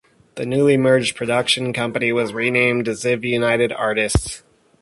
The newly merged production company was renamed Ziv-United Artists.